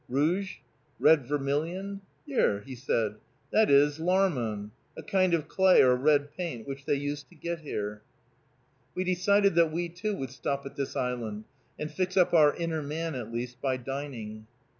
Rouge? Red Vermilion? "Yer," he said, "that is larmon, a kind of clay or red paint, which they used to get here." We decided that we, too, would stop at this island, and fix up our inner man, at least, by dining.